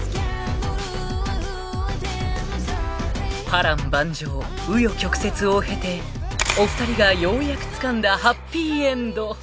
［波瀾万丈紆余曲折を経てお二人がようやくつかんだハッピーエンド］